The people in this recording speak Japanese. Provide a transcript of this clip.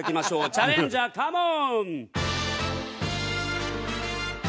チャレンジャーカモン！